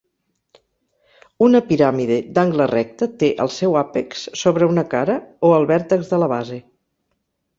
Una piràmide d'angle recte té el seu àpex sobre una cara o el vèrtex de la base.